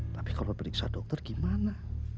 tapi kalau diperiksa dokter gimana